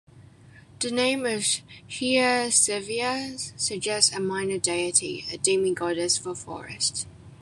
The name Rhea Silvia suggests a minor deity, a demi-goddess of forests.